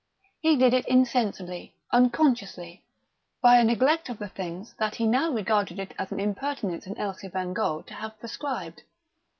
He did it insensibly, unconsciously, by a neglect of the things that he now regarded it as an impertinence in Elsie Bengough to have prescribed.